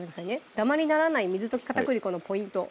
ダマにならない水溶き片栗粉のポイント